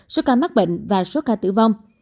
số ca mắc bệnh và số ca tử vong